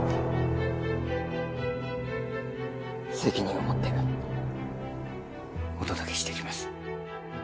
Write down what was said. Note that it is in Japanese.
責任を持ってお届けしてきます。